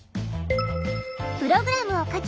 プログラムを書き